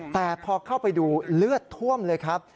แต่พอเข้าไปดูเลือดท่วมเลยครับ